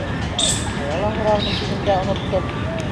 - Бая ла һорармын тинем дә, оноттом.